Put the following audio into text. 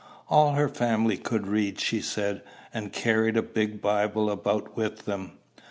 All her family could read, she said, and carried a big Bible about with them.